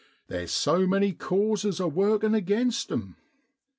Theer's so many causes a workin' against 'em.